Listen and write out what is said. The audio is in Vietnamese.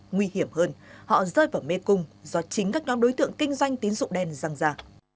nguy hiểm hơn họ rơi vào mê cung do chính các nhóm đối tượng kinh doanh tín dụng đen răng ra